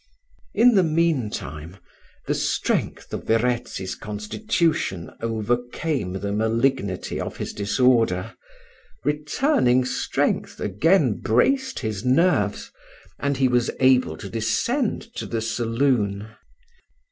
In the mean time, the strength of Verezzi's constitution overcame the malignity of his disorder, returning strength again braced his nerves, and he was able to descend to the saloon.